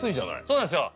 そうなんですよ。